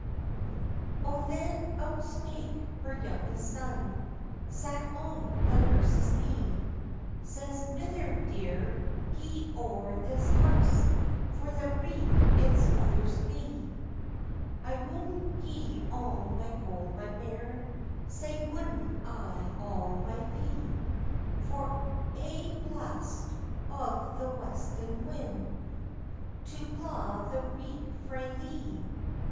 Oh, then out spake her youngest son, Sat on the nurse's knee: Says—"Mither dear, gi'e o'er this house, For the reek it smothers me." ["I wou'd gi'e all my gold, my bairn, Sae wou'd I all my fee, For ae blast of the westlin' wind, To blaw the reek frae thee.